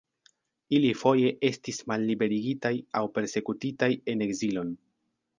Ili foje estis malliberigitaj aŭ persekutitaj en ekzilon.